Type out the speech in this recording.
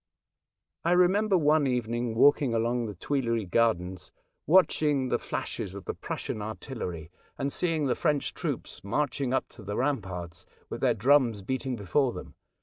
^ 7^ W 7P I remember one evening walking along the Tuileries gardens watching the flashes of the Prussian artillery, and seeing the French troops marching up to the ramparts, with their drums beating before them.